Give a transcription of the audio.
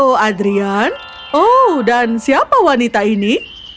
oh adrian oh dan siapa wanita ini